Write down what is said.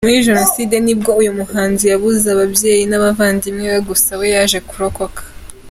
Muri Jenoside nibwo uyu muhanzi yabuze ababyeyi n’abavandimwe be gusa we yaje kurokoka.